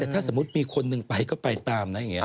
ถ้าสมมติมีคนหนึ่งไปก็ไปตามนะเงี้ย